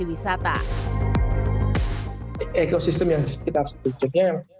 pertama kita akan mencari tempat yang lebih baik untuk menjaga kekuasaan embung menjadi lokasi wisata